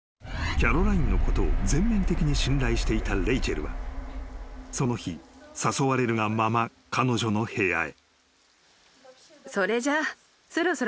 ［キャロラインのことを全面的に信頼していたレイチェルはその日誘われるがまま彼女の部屋へ］